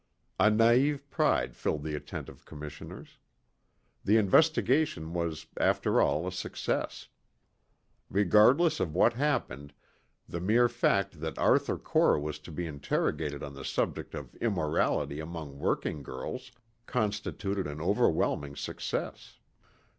A naive pride filled the attentive commissioners. The Investigation was after all a success. Regardless of what happened the mere fact that Arthur Core was to be interrogated on the subject of immorality among working girls, constituted an overwhelming success.